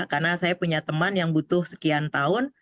karena saya punya teman yang butuh sekian tahun